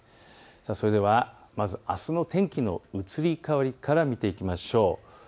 それではまず、あすの天気の移り変わりから見ていきましょう。